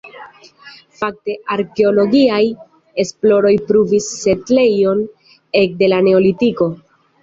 Fakte arkeologiaj esploroj pruvis setlejon ekde la neolitiko.